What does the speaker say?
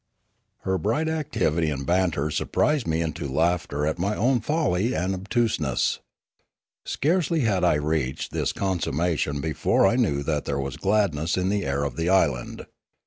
Her bright activity and banter surprised me into laughter at my own folly and obtuseness. Scarcely had I reached this consummation before I knew that there was gladness in the air of the island.